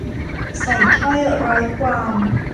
ใส่ถ้อยร้อยความ